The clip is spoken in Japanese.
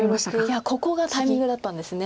いやここがタイミングだったんですね。